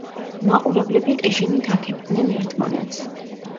მაყურებლები ყიჟინით აქებდნენ ერთმანეთს.